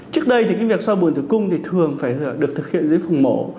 trước đây thì việc soi bùn tử cung thì thường phải được thực hiện dưới phòng mổ